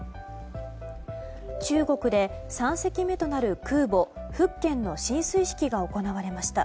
中国で３隻目となる空母「福建」の進水式が行われました。